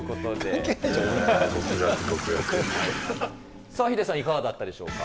ああ、さあ、ヒデさん、いかがだったでしょうか。